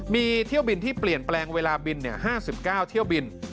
มีเที่ยวบินที่เปลี่ยนแปลงเวลาบิน๕๙เที่ยวบิน